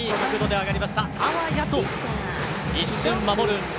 あわやと一瞬守る